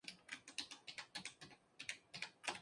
No es un delito propiamente dicho, sino un "modus operandi".